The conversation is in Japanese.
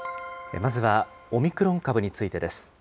まずはオミクロン株についてです。